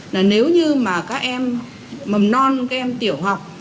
là nếu như mà các em mầm non các em tiểu học